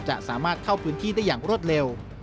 จะสามารถเข้าพื้นที่ได้อย่างรวดเร็ว